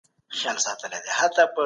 زه باور لرم چي هغه به بريالی سي.